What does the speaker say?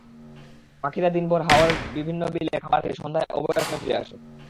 পাখিরা দিনভর হাওরের বিভিন্ন বিলে খাবার খেয়ে সন্ধ্যায় অভয়াশ্রমে ফিরে আসে।